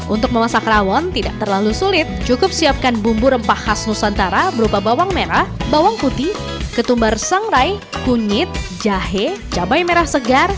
untuk memasak rawon tidak terlalu sulit cukup siapkan bumbu rempah khas nusantara berupa bawang merah bawang putih ketumbar sangrai kunyit jahe cabai merah segar